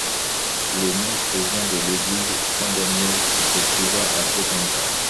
Le nom provient de l'église San Daniel, qui se trouva à cet endroit.